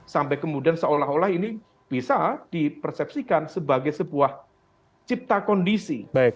sampai kemudian seolah olah ini bisa dipersepsikan sebagai sebuah cipta kondisi